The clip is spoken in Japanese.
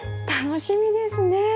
楽しみですね。